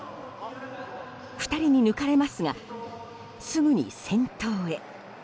２人に抜かれますがすぐに先頭へ。